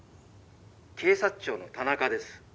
「警察庁の田中です。